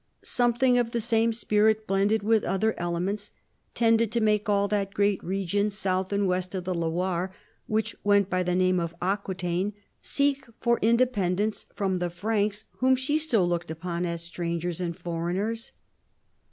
Something of the same spirit, blended with other elements, tended to make all that great region south and west of the Loire, which went by the name of Aquitaine, seek for independence from the Franks whom she still looked upon as strangers and foreigners.